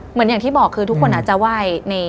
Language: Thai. อย่างที่บอกคือทุกคนอาจจะไหว้